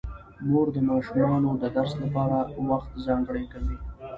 مور د ماشومانو د درس لپاره وخت ځانګړی کوي